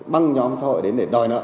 băng nhóm xã hội đến để đòi nợ